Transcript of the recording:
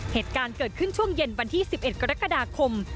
เหตุการณ์เกิดขึ้นช่วงเย็นวันที่๑๑กรกฎาคม